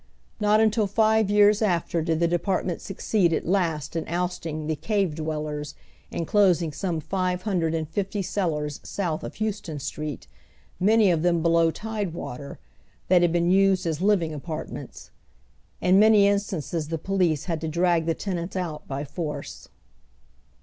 Not until five years after did the department succeed at last in ousting tlie "cave dwellers" and closing some five hundred and fifty cellars south of Houston Street, many of them below tide water, that had been used as living apartments. In many instances the police had to drag the tenants out by force.